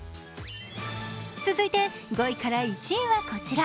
続いて、５位から１位はこちら。